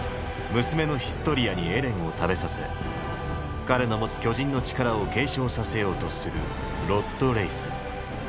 娘のヒストリアにエレンを食べさせ彼の持つ巨人の力を継承させようとするロッド・レイス。